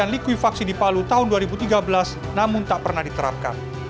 likuifaksi di palu tahun dua ribu tiga belas namun tak pernah diterapkan